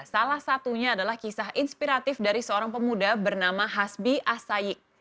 salah satunya adalah kisah inspiratif dari seorang pemuda bernama hasbi asayik